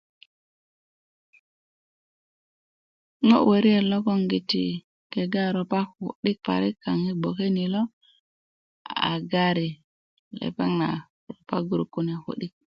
ŋo wariyat logoŋiti ŋo kegá ropá kutik parik kaŋ i gboke ni lo a gari lopeŋ na ropá gurut kune kutik